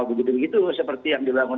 begitu begitu seperti yang dibangun